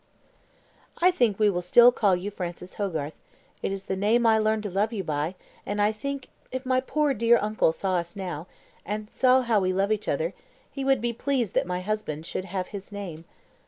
"I think we will still call you Francis Hogarth; it is the name I learned to love you by, and I think if my poor dear uncle saw us now, and saw how we love each other, he would be pleased that my husband should have his name.